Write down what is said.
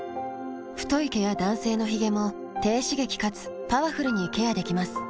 太い毛や男性のヒゲも低刺激かつパワフルにケアできます。